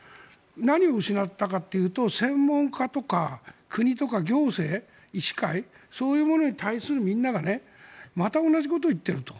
何を失ったかっていうと専門家とか国とか行政、医師会そういうものに対するみんながまた同じことを言ってると。